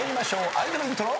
アイドルイントロ。